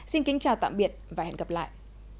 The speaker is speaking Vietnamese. xin kính chào tạm biệt và hẹn gặp lại